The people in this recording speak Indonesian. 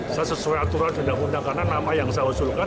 saya sesuai aturan undang undang karena nama yang saya usulkan